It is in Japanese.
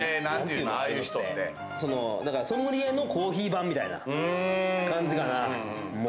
ソムリエのコーヒー版みたいな感じかな。